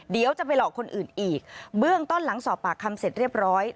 เดี๋ยวจะไปหลอกคนอื่นอีกเบื้องต้นหลังสอบปากคำเสร็จเรียบร้อย